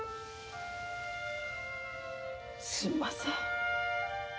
すんません。